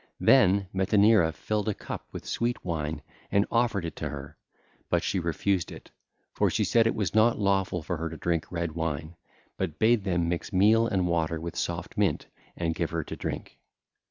Then Metaneira filled a cup with sweet wine and offered it to her; but she refused it, for she said it was not lawful for her to drink red wine, but bade them mix meal and water with soft mint and give her to drink.